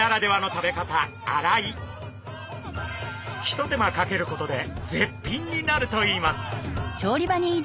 ひと手間かけることで絶品になるといいます！